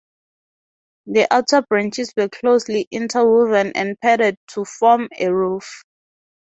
The outer branches were closely interwoven and padded to form a roof.